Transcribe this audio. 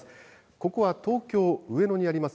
ここは東京・上野にあります